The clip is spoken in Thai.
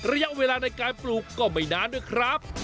ระยะเวลาในการปลูกก็ไม่นานด้วยครับ